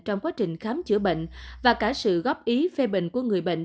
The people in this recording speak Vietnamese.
trong quá trình khám chữa bệnh và cả sự góp ý phê bình của người bệnh